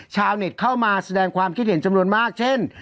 ชาวเน็ตเข้ามาแสดงความคิดเห็นจำนวนมากเช่น